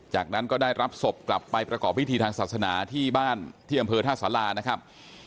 จากนั้นก็ได้รับศพกลับไปประกอบพิธีทางศาสนาที่บ้านที่อำเภอท่าสารานะครับ